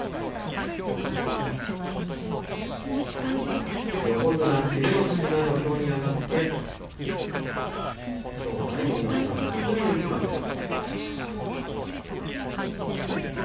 拍手横綱照ノ富士が土俵に上がってきょう最後の一番結びの一番です。